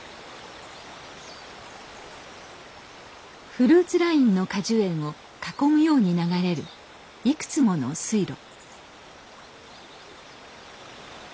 フルーツラインの果樹園を囲むように流れるいくつもの水路。